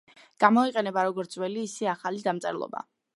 გამოიყენება როგორც ძველი, ისე ახალი დამწერლობა.